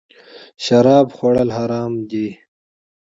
شراب خوړل حرام دی